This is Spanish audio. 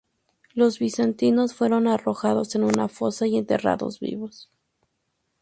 Los bizantinos fueron arrojados en una fosa y enterrados vivos.